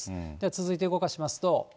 続いて動かしますと。